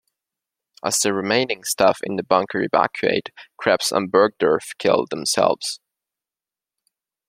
As the remaining staff in the bunker evacuate, Krebs and Burgdorf kill themselves.